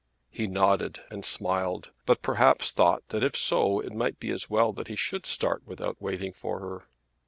He nodded and smiled; but perhaps thought that if so it might be as well that he should start without waiting for her.